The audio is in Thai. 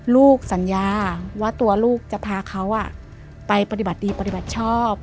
ลูกสัญญาว่าตัวลูกจะพาเขาไปปฏิบัติชอบ